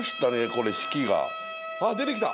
これ式が。あっ出てきた。